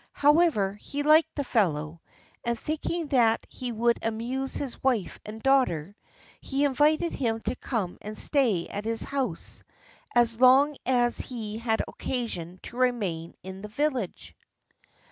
However, he liked the fellow; and thinking that he would amuse his wife and daughter, he invited him to come and stay at his house as long as he had occasion to remain in the village.